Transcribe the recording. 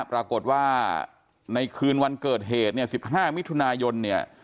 ปรากฏว่าในคืนวันเกิดเหตุ๑๕มิถุนายน